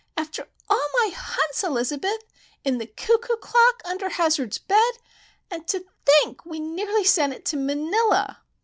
"After all my hunts, Elizabeth! In the cuckoo clock, under Hazard's bed!—And to think we nearly sent it to Manila!"